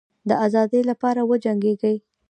د آزادی لپاره وجنګېږی.